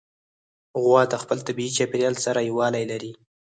غوا د خپل طبیعي چاپېریال سره یووالی لري.